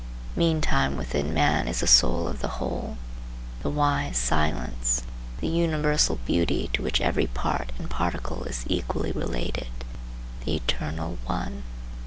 Meantime within man is the soul of the whole; the wise silence; the universal beauty, to which every part and particle is equally related; the eternal ONE.